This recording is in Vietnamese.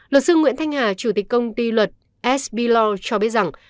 luật sư nguyễn thanh hà chủ tịch công ty luật sb law cho biết rằng